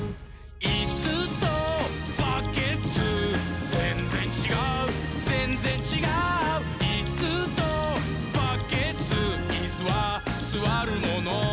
「いっすーとバッケツーぜんぜんちがうぜんぜんちがう」「いっすーとバッケツーイスはすわるもの」